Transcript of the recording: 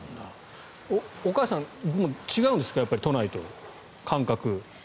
岡安さん、違うんですか都内と、感覚。